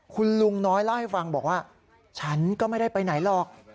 คุณลุงน้อยเล่าให้ฟังบอกว่าฉันก็ไม่ได้ไปไหนหรอก